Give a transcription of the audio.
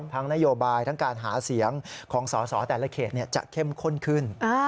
นโยบายทั้งการหาเสียงของสอสอแต่ละเขตจะเข้มข้นขึ้น